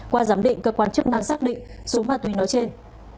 qua giám định cơ quan chức năng xác định số ma túy nói trên